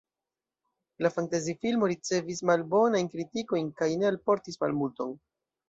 La fantazi-filmo ricevis malbonajn kritikojn kaj ne alportis malmulton.